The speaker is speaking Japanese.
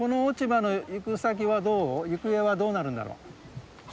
行方はどうなるんだろう？